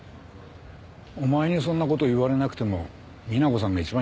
お前にそんな事言われなくても美奈子さんが一番よくわかってるよ。